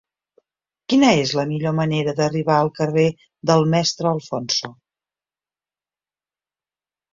Quina és la millor manera d'arribar al carrer del Mestre Alfonso?